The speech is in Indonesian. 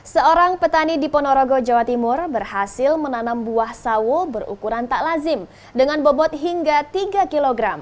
seorang petani di ponorogo jawa timur berhasil menanam buah sawo berukuran tak lazim dengan bobot hingga tiga kg